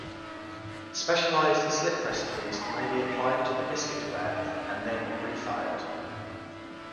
Specialized slip recipes may be applied to biscuit ware and then refired.